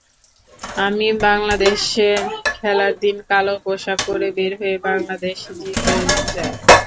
আমি বাংলাদেশের খেলার দিন কালো পোশাক পরে বের হলে বাংলাদেশ জিতে যায়।